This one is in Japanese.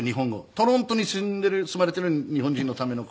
トロントに住まれている日本人のための公演だから。